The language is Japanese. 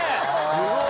すごい！